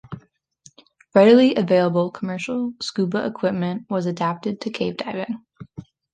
Readily available commercial scuba equipment was adapted to cave diving.